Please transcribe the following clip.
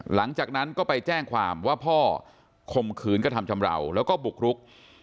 หลังจากนั้นก็ไปแจ้งความว่าพ่อข่มขืนกระทำชำราวแล้วก็บุกรุก